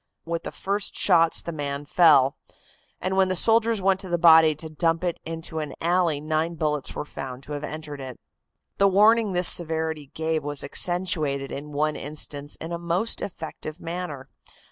With the first shots the man fell, and when the soldiers went to the body to dump it into an alley nine bullets were found to have entered it." The warning this severity gave was accentuated in one instance in a most effective manner.